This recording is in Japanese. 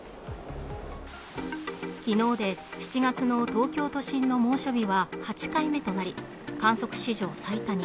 昨日で７月の東京都心の猛暑日は８回目となり、観測史上最多に。